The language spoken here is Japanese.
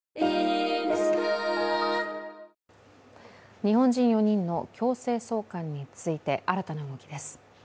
日本人４人の強制送還について新たな動きです。